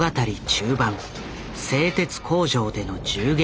中盤製鉄工場での銃撃戦。